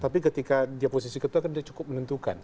tapi ketika dia posisi ketua kan dia cukup menentukan